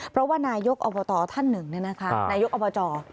เพราะว่านายกอบตท่านหนึ่งนายกอบจ